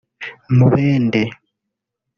Mubende